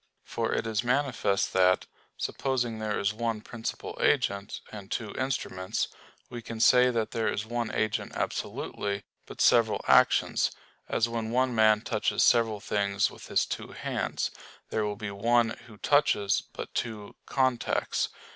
For it is manifest that, supposing there is one principal agent, and two instruments, we can say that there is one agent absolutely, but several actions; as when one man touches several things with his two hands, there will be one who touches, but two contacts.